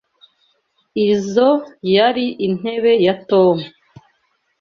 Izoi yari intebe ya Tom.